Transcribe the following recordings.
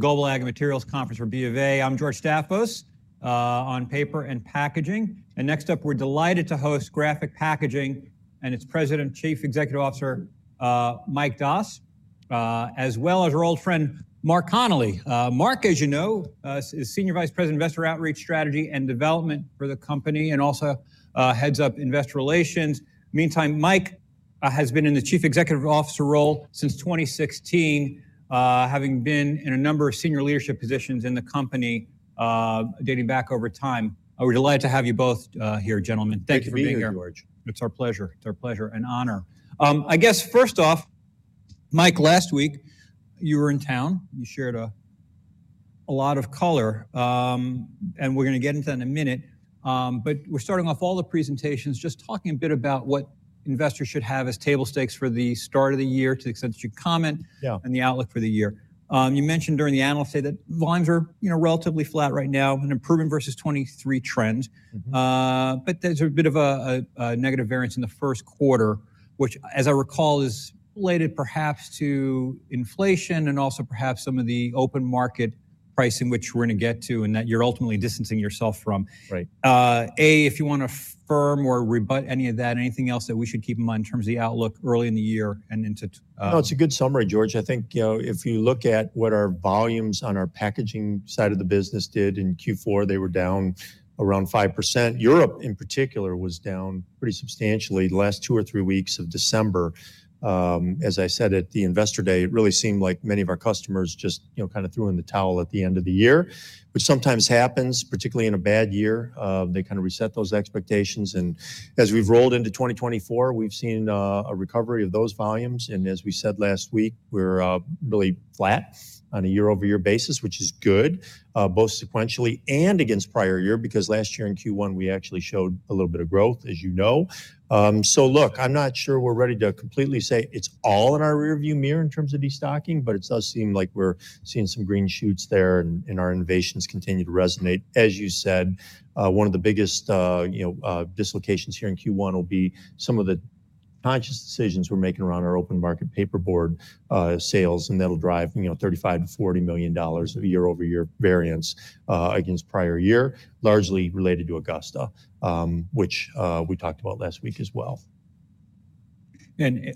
The Global Ag Materials Conference for BofA. I'm George Staphos, on paper and packaging. Next up we're delighted to host Graphic Packaging and its President, Chief Executive Officer, Mike Doss, as well as our old friend Mark Connelly. Mark, as you know, is Senior Vice President, Investor Outreach, Strategy and Development for the company, and also heads up Investor Relations. Meantime, Mike, has been in the Chief Executive Officer role since 2016, having been in a number of senior leadership positions in the company, dating back over time. We're delighted to have you both here, gentlemen. Thank you for being here. Thank you, George. It's our pleasure. It's our pleasure and honor. I guess first off, Mike, last week you were in town. You shared a lot of color, and we're going to get into that in a minute, but we're starting off all the presentations just talking a bit about what investors should have as table stakes for the start of the year to the extent that you comment. Yeah. The outlook for the year. You mentioned during the analysis today that volumes are, you know, relatively flat right now, an improvement versus 2023 trend. Mm-hmm. But there's a bit of a negative variance in the first quarter, which, as I recall, is related perhaps to inflation and also perhaps some of the open market pricing which we're going to get to and that you're ultimately distancing yourself from. Right. A, if you want to affirm or rebut any of that, anything else that we should keep in mind in terms of the outlook early in the year and into. No, it's a good summary, George. I think, you know, if you look at what our volumes on our packaging side of the business did in Q4, they were down around 5%. Europe, in particular, was down pretty substantially the last two or three weeks of December. As I said at the Investor Day, it really seemed like many of our customers just, you know, kind of threw in the towel at the end of the year, which sometimes happens, particularly in a bad year. They kind of reset those expectations. And as we've rolled into 2024, we've seen a recovery of those volumes. And as we said last week, we're really flat on a year-over-year basis, which is good, both sequentially and against prior year because last year in Q1 we actually showed a little bit of growth, as you know. So look, I'm not sure we're ready to completely say it's all in our rearview mirror in terms of destocking, but it does seem like we're seeing some green shoots there and, and our innovations continue to resonate. As you said, one of the biggest, you know, dislocations here in Q1 will be some of the conscious decisions we're making around our open market paperboard sales, and that'll drive, you know, $35million-$40 million of year-over-year variance against prior year, largely related to Augusta, which we talked about last week as well.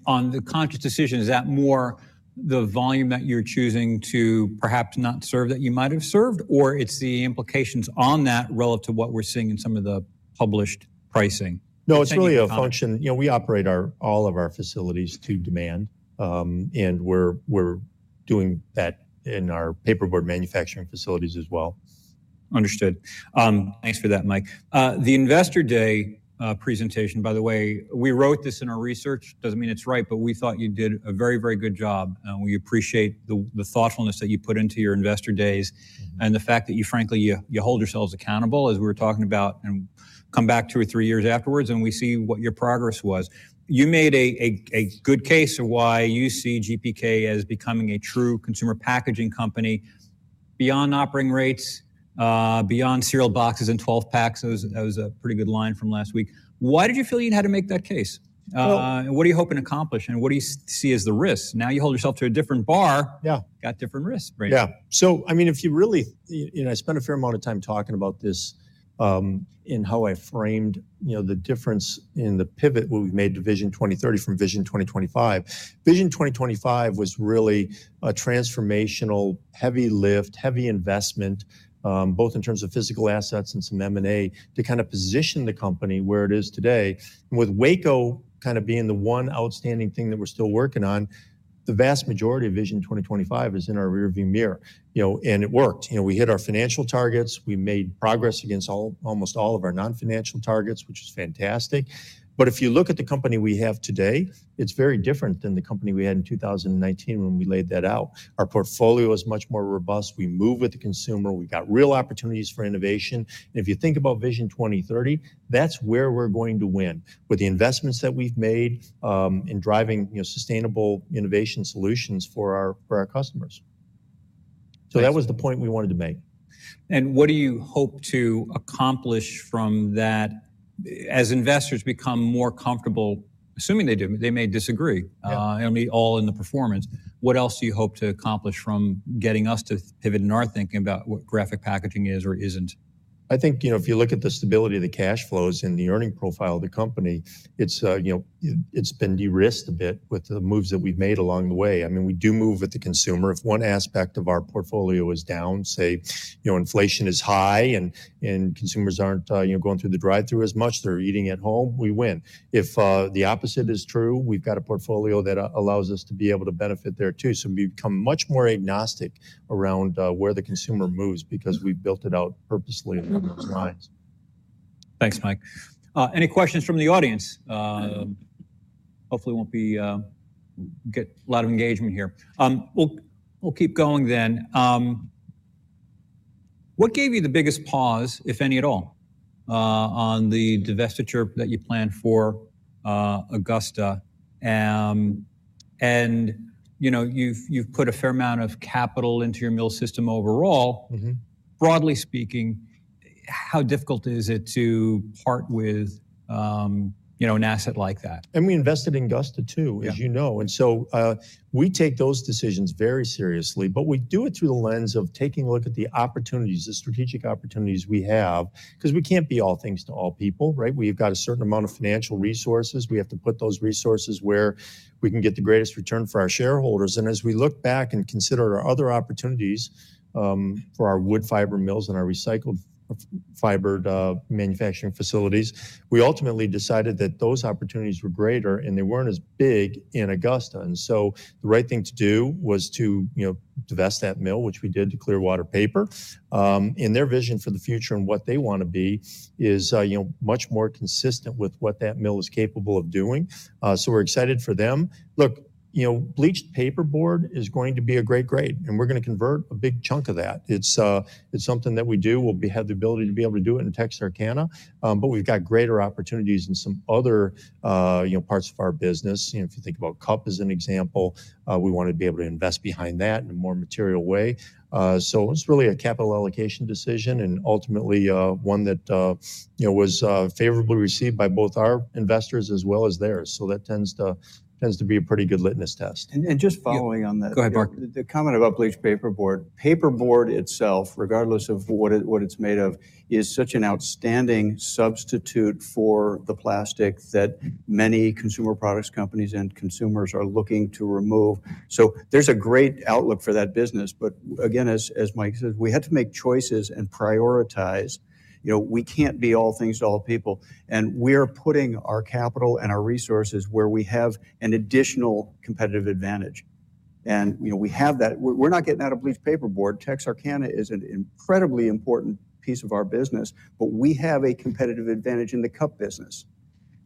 On the conscious decisions, is that more the volume that you're choosing to perhaps not serve that you might have served, or it's the implications on that relative to what we're seeing in some of the published pricing? No, it's really a function. You know, we operate all of our facilities to demand, and we're doing that in our paperboard manufacturing facilities as well. Understood. Thanks for that, Mike. The Investor Day presentation, by the way, we wrote this in our research. Doesn't mean it's right, but we thought you did a very, very good job. We appreciate the thoughtfulness that you put into your Investor Days and the fact that you, frankly, you hold yourselves accountable, as we were talking about, and come back two or three years afterwards and we see what your progress was. You made a good case of why you see GPK as becoming a true consumer packaging company beyond operating rates, beyond cereal boxes and 12 packs. That was a pretty good line from last week. Why did you feel you had to make that case, and what are you hoping to accomplish, and what do you see as the risks? Now you hold yourself to a different bar. Yeah. Got different risks, right? Yeah. So, I mean, if you really, you know, I spent a fair amount of time talking about this, in how I framed, you know, the difference in the pivot where we've made Vision 2030 from Vision 2025. Vision 2025 was really a transformational heavy lift, heavy investment, both in terms of physical assets and some M&A to kind of position the company where it is today. And with Waco kind of being the one outstanding thing that we're still working on, the vast majority of Vision 2025 is in our rearview mirror, you know, and it worked. You know, we hit our financial targets. We made progress against almost all of our non-financial targets, which is fantastic. But if you look at the company we have today, it's very different than the company we had in 2019 when we laid that out. Our portfolio is much more robust. We move with the consumer. We got real opportunities for innovation. If you think about Vision 2030, that's where we're going to win with the investments that we've made, in driving, you know, sustainable innovation solutions for our customers. That was the point we wanted to make. What do you hope to accomplish from that as investors become more comfortable, assuming they do, they may disagree, it'll be all in the performance. What else do you hope to accomplish from getting us to pivot in our thinking about what Graphic Packaging is or isn't? I think, you know, if you look at the stability of the cash flows and the earning profile of the company, it's, you know, it's been de-risked a bit with the moves that we've made along the way. I mean, we do move with the consumer. If one aspect of our portfolio is down, say, you know, inflation is high and consumers aren't, you know, going through the drive-thru as much, they're eating at home, we win. If the opposite is true, we've got a portfolio that allows us to be able to benefit there too. So we become much more agnostic around where the consumer moves because we've built it out purposely along those lines. Thanks, Mike. Any questions from the audience? Hopefully won't be, get a lot of engagement here. We'll, we'll keep going then. What gave you the biggest pause, if any at all, on the divestiture that you planned for, Augusta? And, you know, you've, you've put a fair amount of capital into your mill system overall. Mm-hmm. Broadly speaking, how difficult is it to part with, you know, an asset like that? We invested in Augusta too, as you know. So, we take those decisions very seriously, but we do it through the lens of taking a look at the opportunities, the strategic opportunities we have, because we can't be all things to all people, right? We've got a certain amount of financial resources. We have to put those resources where we can get the greatest return for our shareholders. As we look back and consider our other opportunities, for our wood fiber mills and our recycled fiber manufacturing facilities, we ultimately decided that those opportunities were greater and they weren't as big in Augusta. So the right thing to do was to, you know, divest that mill, which we did, to Clearwater Paper. Their vision for the future and what they want to be is, you know, much more consistent with what that mill is capable of doing. So we're excited for them. Look, you know, bleached paperboard is going to be a great grade, and we're going to convert a big chunk of that. It's something that we do. We'll have the ability to be able to do it in Texarkana. But we've got greater opportunities in some other, you know, parts of our business. You know, if you think about cup as an example, we want to be able to invest behind that in a more material way. So it was really a capital allocation decision and ultimately, one that, you know, was favorably received by both our investors as well as theirs. So that tends to be a pretty good litmus test. And just following on that. Go ahead, Mark. The comment about bleached paperboard. Paperboard itself, regardless of what it's made of, is such an outstanding substitute for the plastic that many consumer products companies and consumers are looking to remove. So there's a great outlook for that business. But again, as Mike says, we had to make choices and prioritize. You know, we can't be all things to all people. And we are putting our capital and our resources where we have an additional competitive advantage. And, you know, we have that. We're not getting out of bleached paperboard. Texarkana is an incredibly important piece of our business, but we have a competitive advantage in the cup business.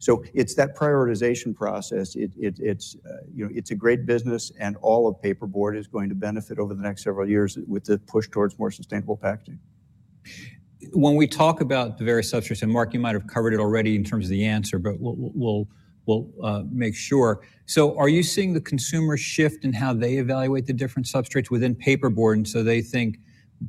So it's that prioritization process. You know, it's a great business and all of paperboard is going to benefit over the next several years with the push towards more sustainable packaging. When we talk about the various substrates, and Mark, you might have covered it already in terms of the answer, but we'll make sure. So are you seeing the consumer shift in how they evaluate the different substrates within paperboard and so they think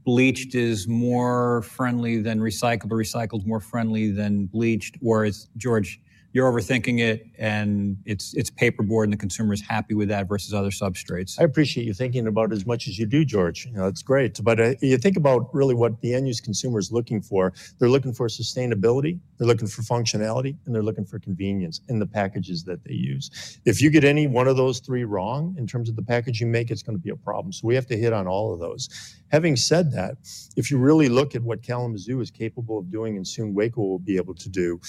bleached is more friendly than recyclable, recycled more friendly than bleached? Or is, George, you're overthinking it and it's paperboard and the consumer is happy with that versus other substrates? I appreciate you thinking about it as much as you do, George. You know, it's great. But you think about really what the end-use consumer is looking for, they're looking for sustainability, they're looking for functionality, and they're looking for convenience in the packages that they use. If you get any one of those three wrong in terms of the package you make, it's going to be a problem. So we have to hit on all of those. Having said that, if you really look at what Kalamazoo is capable of doing and soon Waco will be able to do,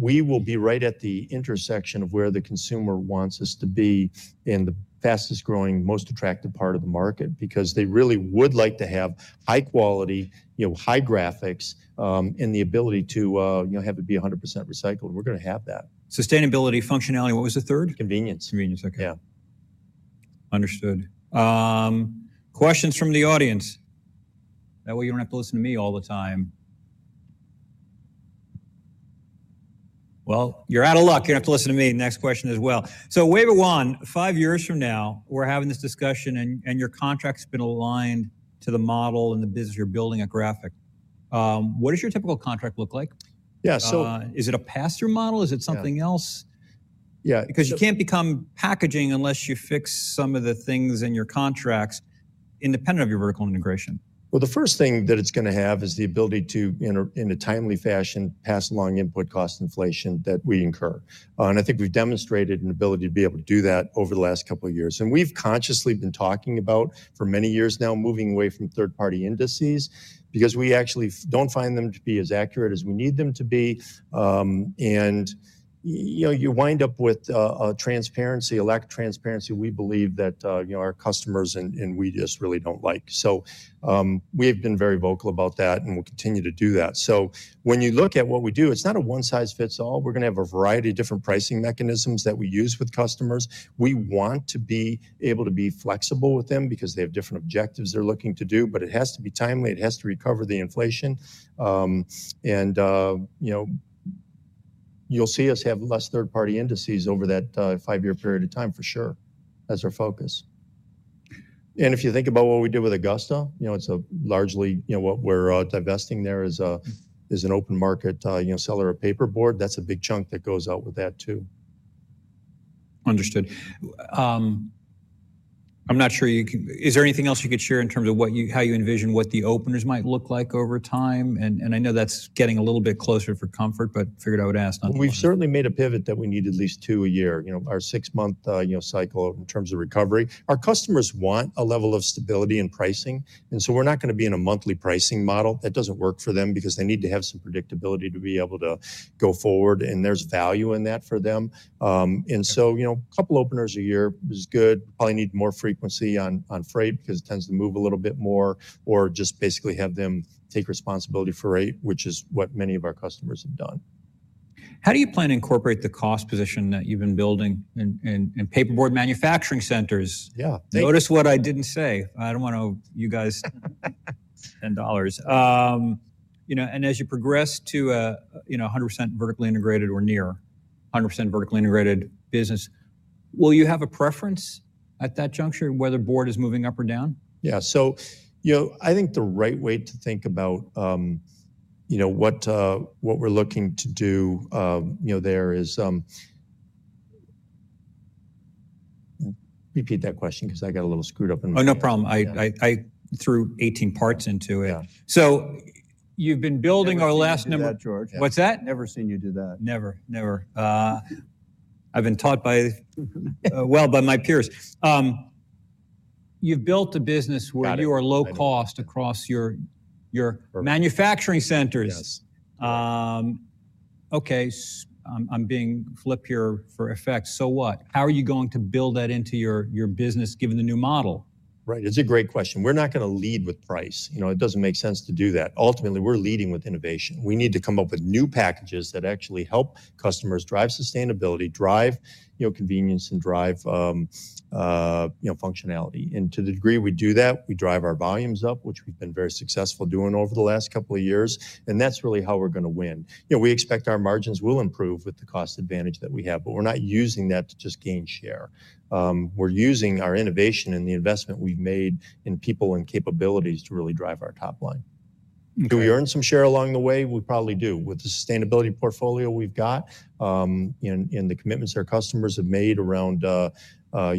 we will be right at the intersection of where the consumer wants us to be in the fastest growing, most attractive part of the market because they really would like to have high quality, you know, high graphics, and the ability to, you know, have it be 100% recycled. We're going to have that. Sustainability, functionality, what was the third? Convenience. Convenience. Okay. Yeah. Understood. Questions from the audience? That way you don't have to listen to me all the time. Well, you're out of luck. You don't have to listen to me next question as well. So question one, five years from now, we're having this discussion and your contract's been aligned to the model and the business you're building at Graphic. What does your typical contract look like? Yeah. So. Is it a pass-through model? Is it something else? Yeah. Because you can't become packaging unless you fix some of the things in your contracts independent of your vertical integration. Well, the first thing that it's going to have is the ability to, you know, in a timely fashion, pass along input cost inflation that we incur. And I think we've demonstrated an ability to be able to do that over the last couple of years. And we've consciously been talking about for many years now moving away from third-party indices because we actually don't find them to be as accurate as we need them to be. And, you know, you wind up with a lack of transparency we believe that, you know, our customers and, and we just really don't like. So, we have been very vocal about that and we'll continue to do that. So when you look at what we do, it's not a one-size-fits-all. We're going to have a variety of different pricing mechanisms that we use with customers. We want to be able to be flexible with them because they have different objectives they're looking to do, but it has to be timely. It has to recover the inflation. You know, you'll see us have less third-party indices over that five-year period of time for sure. That's our focus. And if you think about what we did with Augusta, you know, it's largely, you know, what we're divesting there is an open market, you know, seller of paperboard. That's a big chunk that goes out with that too. Understood. I'm not sure you can, is there anything else you could share in terms of how you envision what the openers might look like over time? And I know that's getting a little bit close for comfort, but figured I would ask not to. We've certainly made a pivot that we need at least two a year, you know, our six-month, you know, cycle in terms of recovery. Our customers want a level of stability in pricing. We're not going to be in a monthly pricing model. That doesn't work for them because they need to have some predictability to be able to go forward. There's value in that for them. So, you know, a couple of openers a year is good. Probably need more frequency on freight because it tends to move a little bit more or just basically have them take responsibility for rate, which is what many of our customers have done. How do you plan to incorporate the cost position that you've been building in paperboard manufacturing centers? Yeah. Notice what I didn't say. I don't want to, you guys. $10, you know, and as you progress to a, you know, 100% vertically integrated or near 100% vertically integrated business, will you have a preference at that juncture whether board is moving up or down? Yeah. So, you know, I think the right way to think about, you know, what we're looking to do, you know, there is, repeat that question because I got a little screwed up in my. Oh, no problem. I threw 18 parts into it. Yeah. So you've been building our last number. Never seen you do that George. What's that? Never seen you do that. Never, never. I've been taught by, well, by my peers. You've built a business where you are low cost across your, your manufacturing centers. Yes. Okay. I'm being flip here for effects. So what? How are you going to build that into your business given the new model? Right. It's a great question. We're not going to lead with price. You know, it doesn't make sense to do that. Ultimately, we're leading with innovation. We need to come up with new packages that actually help customers drive sustainability, drive, you know, convenience and drive, you know, functionality. To the degree we do that, we drive our volumes up, which we've been very successful doing over the last couple of years. That's really how we're going to win. You know, we expect our margins will improve with the cost advantage that we have, but we're not using that to just gain share. We're using our innovation and the investment we've made in people and capabilities to really drive our top line. Do we earn some share along the way? We probably do with the sustainability portfolio we've got, in the commitments our customers have made around, you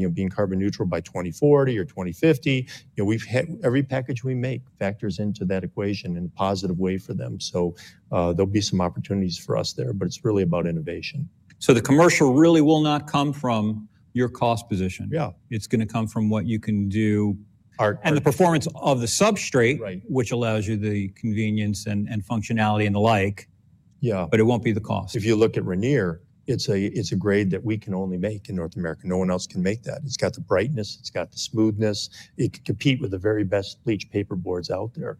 know, being carbon neutral by 2040 or 2050. You know, we've had every package we make factors into that equation in a positive way for them. So, there'll be some opportunities for us there, but it's really about innovation. The commercial really will not come from your cost position. Yeah. It's going to come from what you can do. Our. The performance of the substrate, which allows you the convenience and functionality and the like. Yeah. But it won't be the cost. If you look at Reneer, it's a grade that we can only make in North America. No one else can make that. It's got the brightness. It's got the smoothness. It can compete with the very best bleached paperboards out there.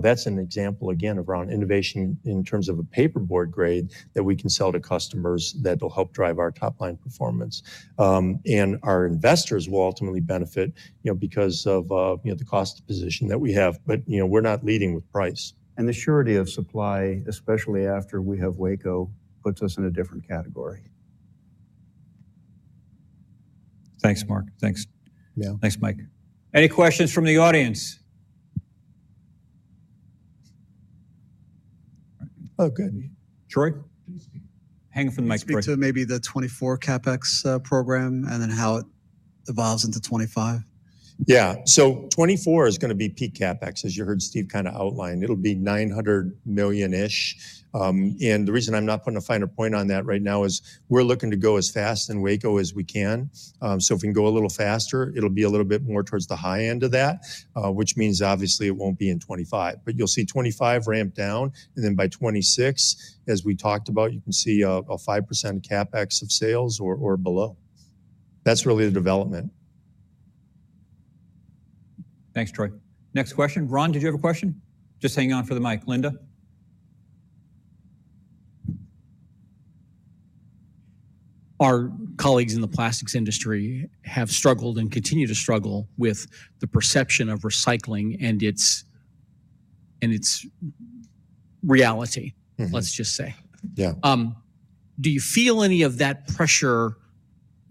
That's an example, again, around innovation in terms of a paperboard grade that we can sell to customers that'll help drive our top line performance. Our investors will ultimately benefit, you know, because of, you know, the cost position that we have. But, you know, we're not leading with price. The surety of supply, especially after we have Waco, puts us in a different category. Thanks, Mark. Thanks. Yeah. Thanks, Mike. Any questions from the audience? Oh, good. Troy? Please speak. Hanging from the mic. Speak to maybe the 2024 CapEx program and then how it evolves into 2025. Yeah. So 2024 is going to be peak CapEx, as you heard Steve kind of outline. It'll be $900 million-ish. And the reason I'm not putting a finer point on that right now is we're looking to go as fast in Waco as we can. So if we can go a little faster, it'll be a little bit more towards the high end of that, which means obviously it won't be in 2025, but you'll see 2025 ramp down. And then by 2026, as we talked about, you can see a 5% CapEx of sales or below. That's really the development. Thanks, Troy. Next question. Ron, did you have a question? Just hanging on for the mic. Linda? Our colleagues in the plastics industry have struggled and continue to struggle with the perception of recycling and its, and its reality, let's just say. Yeah. Do you feel any of that pressure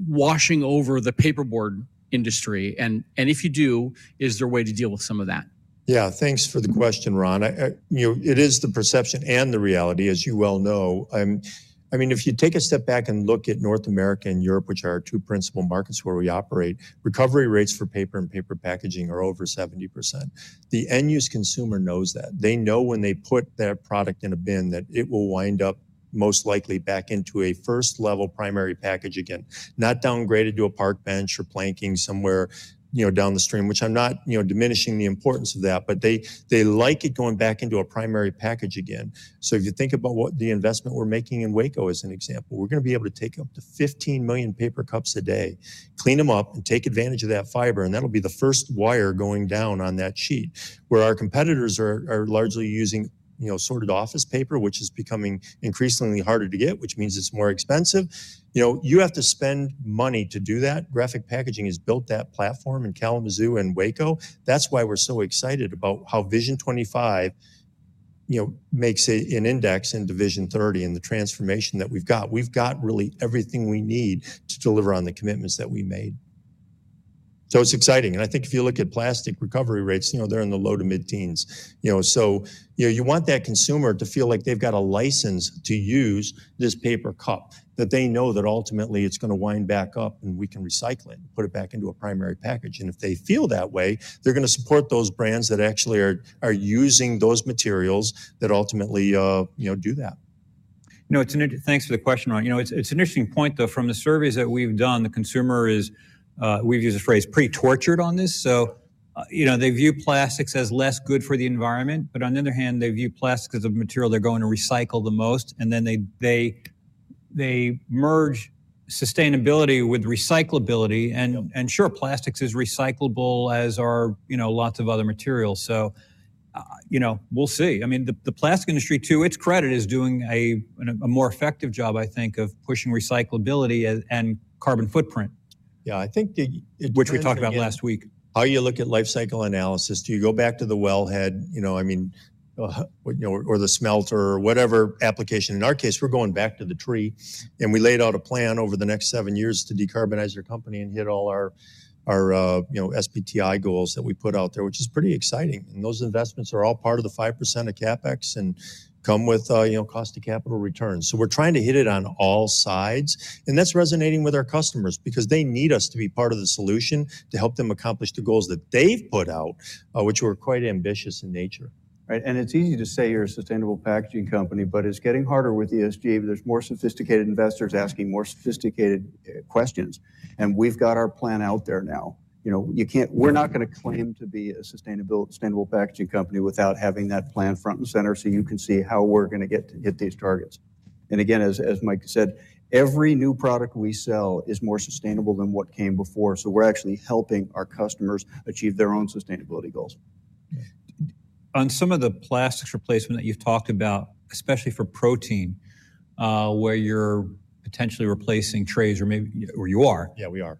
washing over the paperboard industry? And if you do, is there a way to deal with some of that? Yeah. Thanks for the question, Ron. I, you know, it is the perception and the reality, as you well know. I mean, if you take a step back and look at North America and Europe, which are our two principal markets where we operate, recovery rates for paper and paper packaging are over 70%. The end-use consumer knows that. They know when they put their product in a bin that it will wind up most likely back into a first-level primary package again, not downgraded to a park bench or planking somewhere, you know, downstream, which I'm not, you know, diminishing the importance of that, but they like it going back into a primary package again. So if you think about what the investment we're making in Waco as an example, we're going to be able to take up to 15 million paper cups a day, clean them up, and take advantage of that fiber. And that'll be the first wire going down on that sheet where our competitors are largely using, you know, sorted office paper, which is becoming increasingly harder to get, which means it's more expensive. You know, you have to spend money to do that. Graphic Packaging has built that platform in Kalamazoo and Waco. That's why we're so excited about how Vision 2025, you know, makes it an index in Vision 2030 and the transformation that we've got. We've got really everything we need to deliver on the commitments that we made. So it's exciting. I think if you look at plastic recovery rates, you know, they're in the low to mid-teens. You know, so, you know, you want that consumer to feel like they've got a license to use this paper cup, that they know that ultimately it's going to wind back up and we can recycle it and put it back into a primary package. And if they feel that way, they're going to support those brands that actually are, are using those materials that ultimately, you know, do that. You know, it's an interesting, thanks for the question, Ron. You know, it's an interesting point, though, from the surveys that we've done. The consumer is, we've used the phrase pre-tortured on this. So, you know, they view plastics as less good for the environment, but on the other hand, they view plastics as a material they're going to recycle the most. And then they merge sustainability with recyclability. And sure, plastics is recyclable as are, you know, lots of other materials. So, you know, we'll see. I mean, the plastic industry too, to its credit is doing a more effective job, I think, of pushing recyclability and carbon footprint. Yeah. I think it. Which we talked about last week. How you look at life cycle analysis? Do you go back to the wellhead, you know, I mean, you know, or the smelter or whatever application? In our case, we're going back to the tree. We laid out a plan over the next seven years to decarbonize our company and hit all our you know SBTi goals that we put out there, which is pretty exciting. Those investments are all part of the 5% of CapEx and come with, you know, cost of capital return. We're trying to hit it on all sides. That's resonating with our customers because they need us to be part of the solution to help them accomplish the goals that they've put out, which were quite ambitious in nature. Right. And it's easy to say you're a sustainable packaging company, but it's getting harder with ESG. There's more sophisticated investors asking more sophisticated questions. And we've got our plan out there now. You know, you can't, we're not going to claim to be a sustainable, sustainable packaging company without having that plan front and center so you can see how we're going to get to hit these targets. And again, as, as Mike said, every new product we sell is more sustainable than what came before. So we're actually helping our customers achieve their own sustainability goals. On some of the plastics replacement that you've talked about, especially for protein, where you're potentially replacing trays or maybe, or you are. Yeah, we are.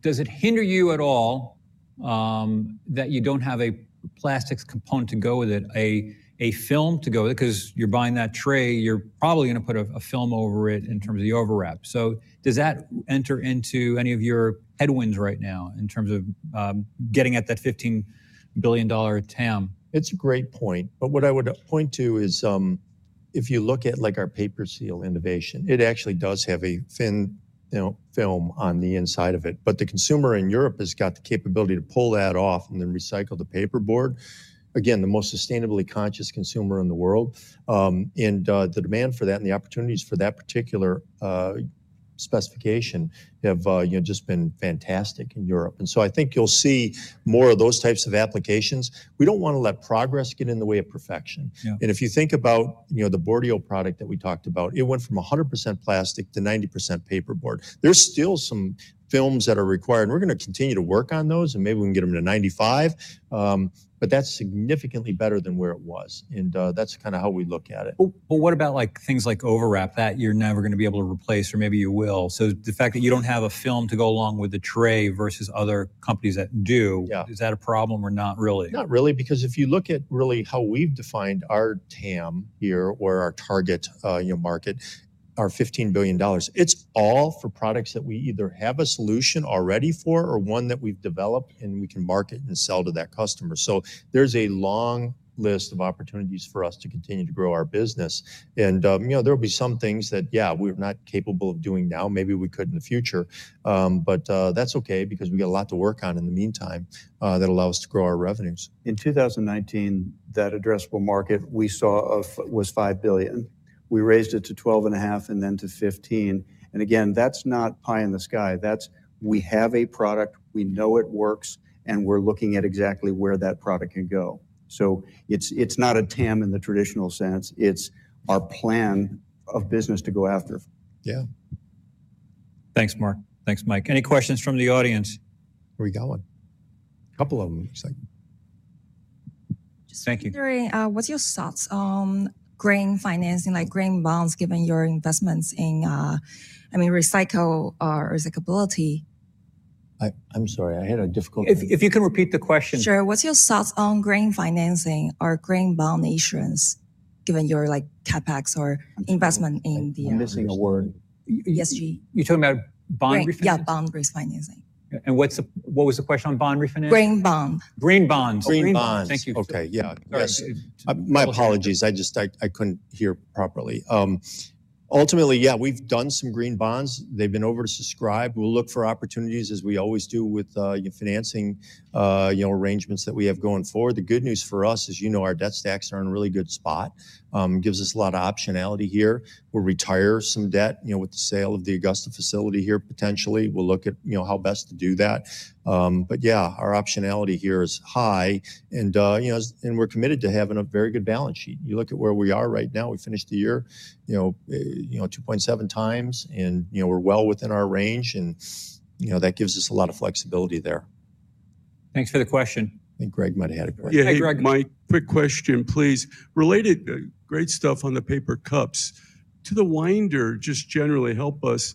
Does it hinder you at all, that you don't have a plastics component to go with it, a film to go with it? Because you're buying that tray, you're probably going to put a film over it in terms of the overlap. So does that enter into any of your headwinds right now in terms of getting at that $15 billion TAM? It's a great point. But what I would point to is, if you look at like our PaperSeal innovation, it actually does have a thin, you know, film on the inside of it. But the consumer in Europe has got the capability to pull that off and then recycle the paperboard. Again, the most sustainably conscious consumer in the world, and the demand for that and the opportunities for that particular specification have, you know, just been fantastic in Europe. And so I think you'll see more of those types of applications. We don't want to let progress get in the way of perfection. And if you think about, you know, the Boardio product that we talked about, it went from 100% plastic to 90% paperboard. There's still some films that are required. And we're going to continue to work on those. Maybe we can get them to 95. But that's significantly better than where it was. That's kind of how we look at it. But what about like things like overlap that you're never going to be able to replace or maybe you will? So the fact that you don't have a film to go along with the tray versus other companies that do, is that a problem or not really? Not really. Because if you look at really how we've defined our TAM here or our target, you know, market, our $15 billion, it's all for products that we either have a solution already for or one that we've developed and we can market and sell to that customer. So there's a long list of opportunities for us to continue to grow our business. And, you know, there'll be some things that, yeah, we're not capable of doing now. Maybe we could in the future. But, that's okay because we got a lot to work on in the meantime, that allows us to grow our revenues. In 2019, that addressable market we saw of was $5 billion. We raised it to $12.5 billion and then to $15 billion. And again, that's not pie in the sky. That's, we have a product, we know it works, and we're looking at exactly where that product can go. So it's, it's not a TAM in the traditional sense. It's our plan of business to go after. Yeah. Thanks, Mark. Thanks, Mike. Any questions from the audience? Here we got one. A couple of them, it looks like. Thank you. Thank you. Sorry, what's your thoughts on green financing, like green bonds given your investments in, I mean, recycle, recyclability? I'm sorry. I had a difficult. If you can repeat the question. Sure. What's your thoughts on grain financing or grain bond issuance given your, like, CapEx or investment in the. I'm missing a word. ESG. You're talking about bond refinancing? Yeah, bond refinancing. What was the question on bond refinancing? Green bond. Green bonds. Green bonds. Thank you. Okay. Yeah. Yes. My apologies. I just couldn't hear properly. Ultimately, yeah, we've done some green bonds. They've been oversubscribed. We'll look for opportunities as we always do with, you know, financing, you know, arrangements that we have going forward. The good news for us is, you know, our debt stacks are in a really good spot. Gives us a lot of optionality here. We'll retire some debt, you know, with the sale of the Augusta facility here, potentially. We'll look at, you know, how best to do that. But yeah, our optionality here is high. And, you know, we're committed to having a very good balance sheet. You look at where we are right now, we finished the year, you know, 2.7x. And, you know, we're well within our range. And, you know, that gives us a lot of flexibility there. Thanks for the question. I think Greg might have had a question. Yeah. Hey, Greg. Mike, quick question, please. Related, great stuff on the paper cups. To the winder, just generally, help us.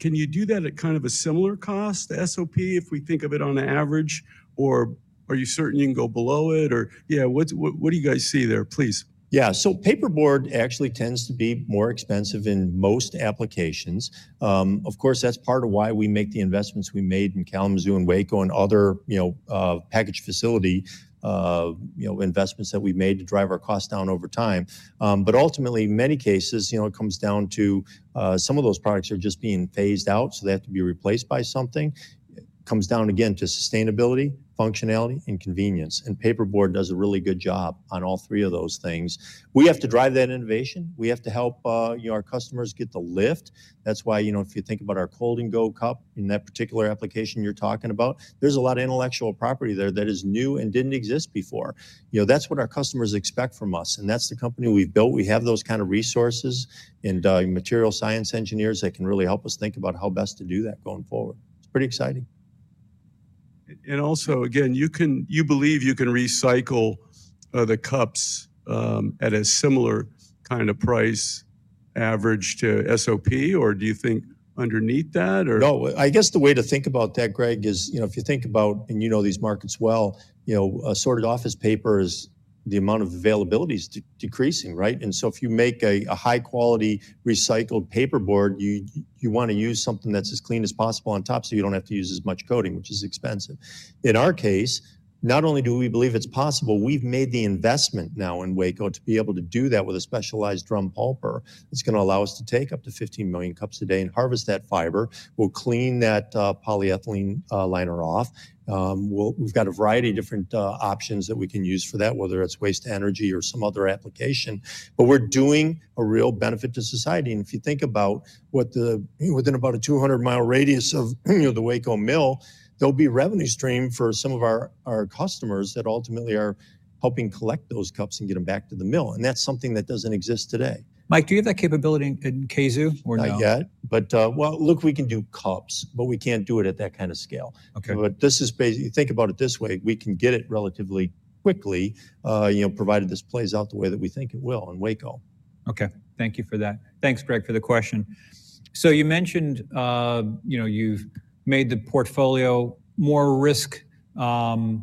Can you do that at kind of a similar cost, SOP, if we think of it on an average, or are you certain you can go below it? Or yeah, what's, what, what do you guys see there, please? Yeah. So paperboard actually tends to be more expensive in most applications. Of course, that's part of why we make the investments we made in Kalamazoo and Waco and other, you know, packaging facility, you know, investments that we've made to drive our costs down over time. But ultimately, in many cases, you know, it comes down to some of those products are just being phased out, so they have to be replaced by something. It comes down again to sustainability, functionality, and convenience. And paperboard does a really good job on all three of those things. We have to drive that innovation. We have to help, you know, our customers get the lift. That's why, you know, if you think about our Cold&Go cup in that particular application you're talking about, there's a lot of intellectual property there that is new and didn't exist before. You know, that's what our customers expect from us. That's the company we've built. We have those kind of resources and material science engineers that can really help us think about how best to do that going forward. It's pretty exciting. And also, again, you believe you can recycle the cups at a similar kind of price average to SOP, or do you think underneath that, or? No, I guess the way to think about that, Greg, is, you know, if you think about, and you know these markets well, you know, Sorted Office Paper is the amount of availability is decreasing, right? And so if you make a high-quality recycled paperboard, you want to use something that's as clean as possible on top so you don't have to use as much coating, which is expensive. In our case, not only do we believe it's possible, we've made the investment now in Waco to be able to do that with a specialized drum pulper that's going to allow us to take up to 15 million cups a day and harvest that fiber. We'll clean that polyethylene liner off. We've got a variety of different options that we can use for that, whether it's waste energy or some other application. But we're doing a real benefit to society. And if you think about what the, you know, within about a 200-mile radius of, you know, the Waco mill, there'll be revenue stream for some of our, our customers that ultimately are helping collect those cups and get them back to the mill. And that's something that doesn't exist today. Mike, do you have that capability in Kzoo or no? Not yet. But, well, look, we can do cups, but we can't do it at that kind of scale. Okay. This is basically, you think about it this way, we can get it relatively quickly, you know, provided this plays out the way that we think it will in Waco. Okay. Thank you for that. Thanks, Greg, for the question. So you mentioned, you know, you've made the portfolio more risk, not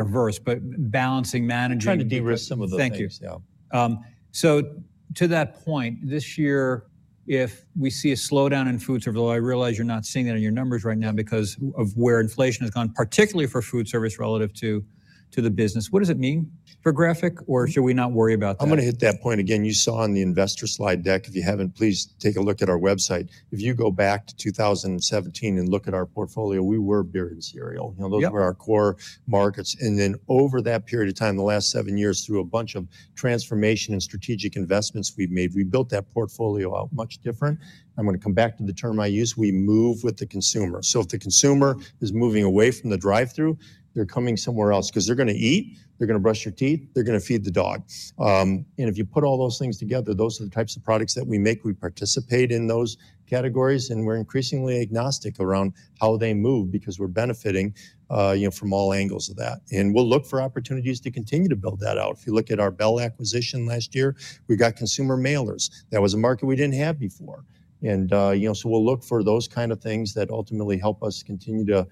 averse, but balancing, managing. Trying to de-risk some of the things. Thank you. Yeah. To that point, this year, if we see a slowdown in food service, although I realize you're not seeing that in your numbers right now because of where inflation has gone, particularly for food service relative to, to the business, what does it mean for Graphic, or should we not worry about that? I'm going to hit that point again. You saw on the investor slide deck, if you haven't, please take a look at our website. If you go back to 2017 and look at our portfolio, we were beer and cereal. You know, those were our core markets. And then over that period of time, the last seven years, through a bunch of transformation and strategic investments we've made, we built that portfolio out much different. I'm going to come back to the term I use. We move with the consumer. So if the consumer is moving away from the drive-through, they're coming somewhere else because they're going to eat, they're going to brush their teeth, they're going to feed the dog, and if you put all those things together, those are the types of products that we make. We participate in those categories. And we're increasingly agnostic around how they move because we're benefiting, you know, from all angles of that. And we'll look for opportunities to continue to build that out. If you look at our Bell acquisition last year, we got consumer mailers. That was a market we didn't have before. And, you know, so we'll look for those kind of things that ultimately help us continue to,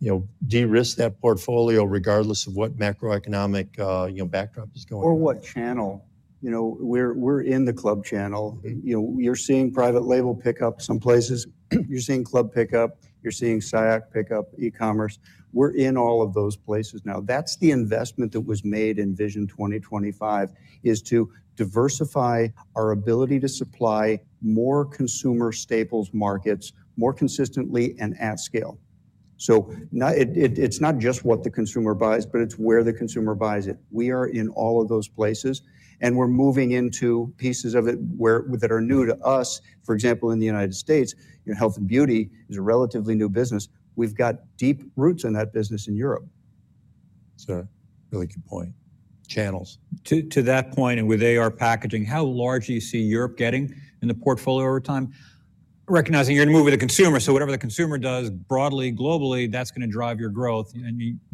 you know, de-risk that portfolio regardless of what macroeconomic, you know, backdrop is going on. Or what channel, you know, we're in the club channel. You know, you're seeing private label pickup some places. You're seeing club pickup. You're seeing SIOC pickup, e-commerce. We're in all of those places now. That's the investment that was made in Vision 2025 is to diversify our ability to supply more consumer staples markets more consistently and at scale. So, it's not just what the consumer buys, but it's where the consumer buys it. We are in all of those places. And we're moving into pieces of it where that are new to us. For example, in the United States, you know, health and beauty is a relatively new business. We've got deep roots in that business in Europe. That's a really good point. Channels. To that point and with AR Packaging, how large do you see Europe getting in the portfolio over time? Recognizing you're going to move with the consumer. So whatever the consumer does broadly, globally, that's going to drive your growth.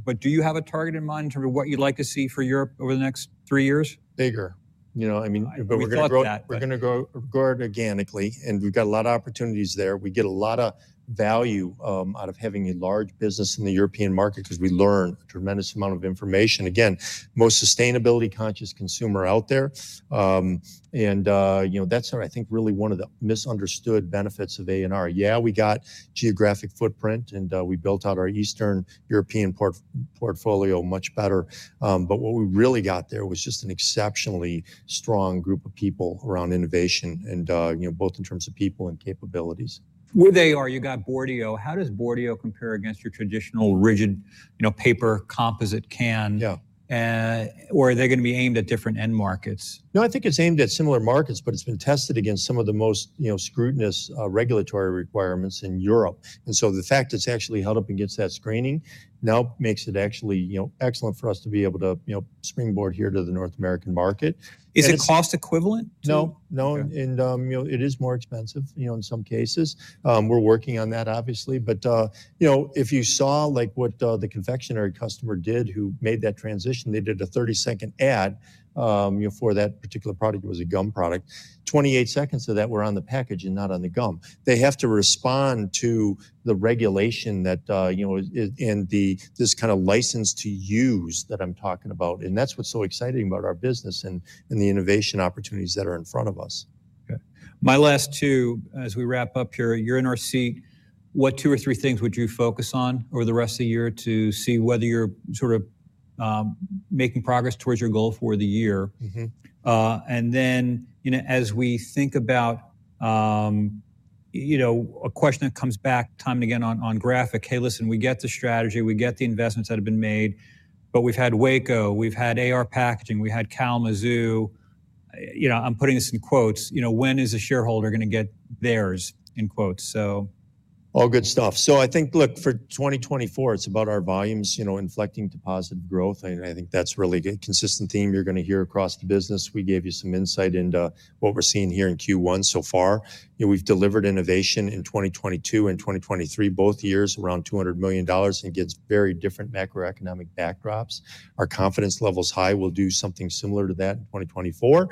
But do you have a target in mind in terms of what you'd like to see for Europe over the next three years? Bigger. You know, I mean, but we're going to grow, we're going to grow organically. And we've got a lot of opportunities there. We get a lot of value out of having a large business in the European market because we learn a tremendous amount of information. Again, most sustainability-conscious consumer out there. And, you know, that's what I think really one of the misunderstood benefits of AR Packaging. Yeah, we got geographic footprint and, we built out our Eastern European portfolio much better. But what we really got there was just an exceptionally strong group of people around innovation and, you know, both in terms of people and capabilities. With AR, you got Boardio. How does Boardio compare against your traditional rigid, you know, paper composite can? Yeah. or are they going to be aimed at different end markets? No, I think it's aimed at similar markets, but it's been tested against some of the most, you know, scrutinous, regulatory requirements in Europe. And so the fact it's actually held up against that screening now makes it actually, you know, excellent for us to be able to, you know, springboard here to the North American market. Is it cost equivalent to? No, no. And, you know, it is more expensive, you know, in some cases. We're working on that, obviously. But, you know, if you saw like what, the confectionery customer did who made that transition, they did a 30-second ad, you know, for that particular product. It was a gum product. 28 seconds of that were on the package and not on the gum. They have to respond to the regulation that, you know, is in the this kind of license to use that I'm talking about. And that's what's so exciting about our business and, and the innovation opportunities that are in front of us. Okay. My last two, as we wrap up here, you're in our seat. What two or three things would you focus on over the rest of the year to see whether you're sort of making progress towards your goal for the year? Mm-hmm. And then, you know, as we think about, you know, a question that comes back time and again on Graphic, hey, listen, we get the strategy, we get the investments that have been made, but we've had Waco, we've had AR Packaging, we had Kalamazoo. You know, I'm putting this in quotes. You know, "when is a shareholder going to get theirs" in quotes? So. All good stuff. So I think, look, for 2024, it's about our volumes, you know, inflecting to positive growth. And I think that's really a consistent theme you're going to hear across the business. We gave you some insight into what we're seeing here in Q1 so far. You know, we've delivered innovation in 2022 and 2023, both years around $200 million and against very different macroeconomic backdrops. Our confidence level's high. We'll do something similar to that in 2024.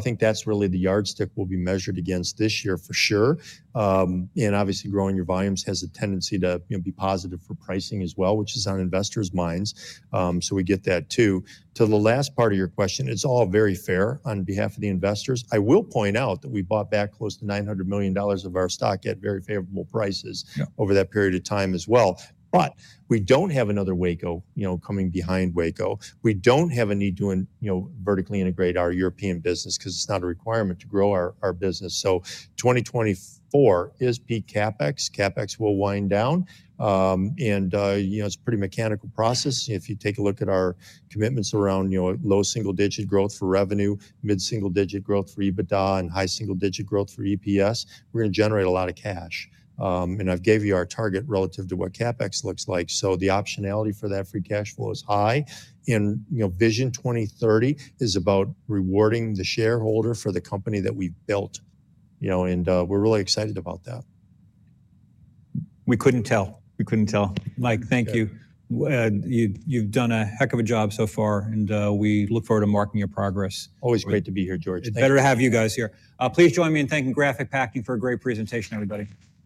I think that's really the yardstick will be measured against this year for sure. And obviously growing your volumes has a tendency to, you know, be positive for pricing as well, which is on investors' minds. So we get that too. To the last part of your question, it's all very fair on behalf of the investors. I will point out that we bought back close to $900 million of our stock at very favorable prices over that period of time as well. But we don't have another Waco, you know, coming behind Waco. We don't have a need to, you know, vertically integrate our European business because it's not a requirement to grow our, our business. So 2024 is peak CapEx. CapEx will wind down. You know, it's a pretty mechanical process. If you take a look at our commitments around, you know, low single-digit growth for revenue, mid-single-digit growth for EBITDA, and high single-digit growth for EPS, we're going to generate a lot of cash. I've gave you our target relative to what CapEx looks like. So the optionality for that free cash flow is high. You know, Vision 2030 is about rewarding the shareholder for the company that we've built, you know, and we're really excited about that. We couldn't tell. We couldn't tell. Mike, thank you. You've done a heck of a job so far, and we look forward to marking your progress. Always great to be here, George. Better to have you guys here. Please join me in thanking Graphic Packaging for a great presentation, everybody.